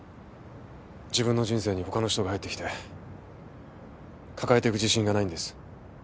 自分の人生に他の人が入ってきて抱えていく自信がないんです。